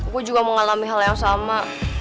gue juga mengalami hal yang sama